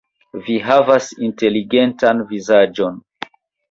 Vi havas inteligentan vizaĝon.